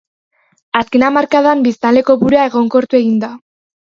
Azken hamarkadan biztanle kopurua egonkortu egin da.